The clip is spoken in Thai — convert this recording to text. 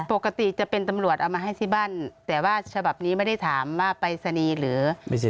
ปกติจะเป็นตำรวจเอามาให้ที่บ้านแต่ว่าฉบับนี้ไม่ได้ถามว่าปรายศนีย์หรือ